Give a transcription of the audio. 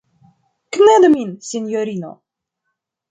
Knedu min, sinjorino!